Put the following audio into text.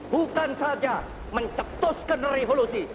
bukan saja mencetuskan revolusi